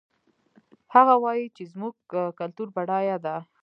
هغه وایي چې زموږ کلتور بډایه ده